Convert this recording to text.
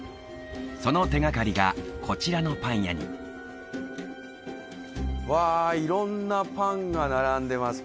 その手がかりがこちらのパン屋にわあ色んなパンが並んでますけどね